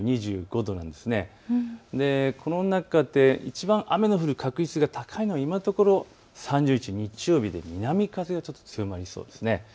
この中でいちばん雨が降る確率が高いのは今のところ、３０日日曜日で南風が強まりそうです。